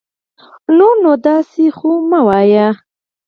نور نو داسي خو مه وايه